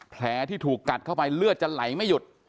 แผลที่ถูกกัดเข้าไปเลือดจะไหลไม่หยุด